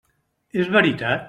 És veritat?